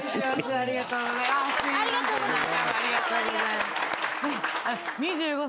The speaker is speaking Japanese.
ありがとうございます。